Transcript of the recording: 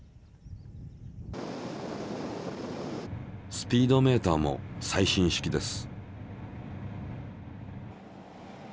スピードメーターも最新式です。